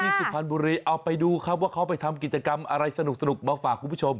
สุพรรณบุรีเอาไปดูครับว่าเขาไปทำกิจกรรมอะไรสนุกมาฝากคุณผู้ชม